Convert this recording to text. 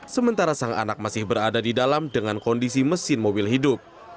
sementara sang anak masih berada di dalam dengan kondisi mesin mobil hidup